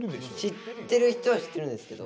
知ってる人は知ってるんですけど。